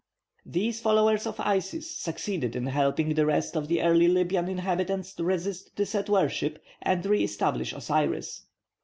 These followers of Isis succeeded in helping the rest of the early Libyan inhabitants to resist the Set worship, and re establish Osiris.